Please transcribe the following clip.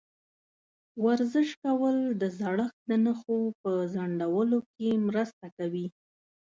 ورزش کول د زړښت د نښو په ځنډولو کې مرسته کوي.